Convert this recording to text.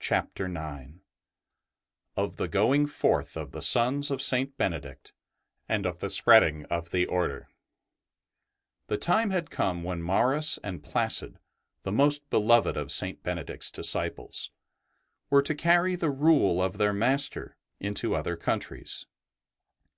CHAPTER IX OF THE GOING FORTH OF THE SONS OF SAINT BENEDICT, AND OF THE SPREADING OF THE ORDER The time had come when Maurus and Placid, the most beloved of St. Benedict's disciples, were to carry the Rule of their master into Other countries.